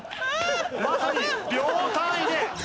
まさに秒単位で。